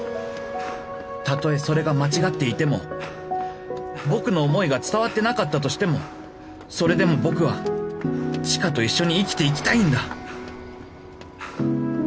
たとえそれが間違っていても僕の思いが伝わってなかったとしてもそれでも僕は知花と一緒に生きていきたいんだ！